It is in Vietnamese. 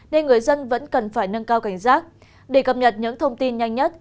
nên người dân vẫn cần phải nâng cao cảnh giác để cập nhật những thông tin nhanh nhất